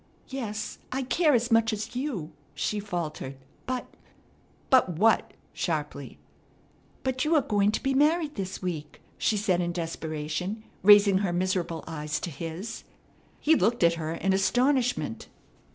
"Yes, I care as much as you," she faltered, "but " "But what?" sharply. "But you are going to be married this week," she said in desperation, raising her miserable eyes to his. He looked at her in astonishment.